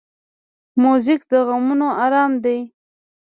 موزیک د غمونو آرام دی.